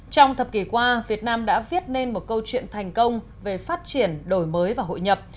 trong thập kỷ qua việt nam đã viết nên một câu chuyện thành công về phát triển đổi mới và hội nhập